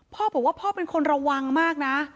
พ่อบอกว่าพ่อเป็นคนระวังมากนะ